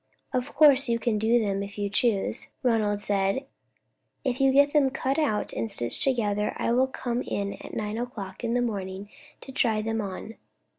"Of course you can do them, if you choose," Ronald said. "If you get them cut out and stitched together, I will come in at nine o'clock in the morning to try them on.